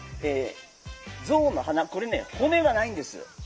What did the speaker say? ゾウの鼻、これは骨がないんです。